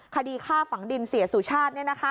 คดีฆ่าฝังดินเสียสู่ชาติเนี่ยนะคะ